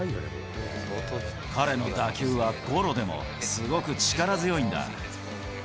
彼の打球はゴロでもすごく力強いんだ。